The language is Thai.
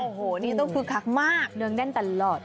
โอ้โหนี่ก็คือคักมากเรื่องเด้นตลอด